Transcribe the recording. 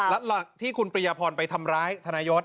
แล้วที่คุณปริยพรไปทำร้ายธนายศ